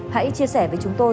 hãy chia sẻ với chúng tôi